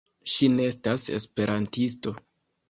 Ŝi ne estas esperantisto.